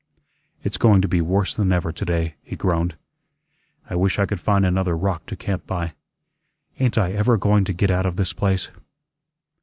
"It's going to be worse than ever to day," he groaned. "I wish I could find another rock to camp by. Ain't I ever going to get out of this place?"